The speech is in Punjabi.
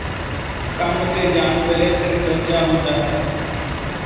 ਕੰਮ ਤੇ ਜਾਣ ਵੇਲੇ ਸਿਰ ਗੰਜਾਂ ਹੁੰਦਾ ਹੈ